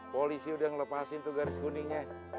polisi udah ngelepasin tuh garis kuningnya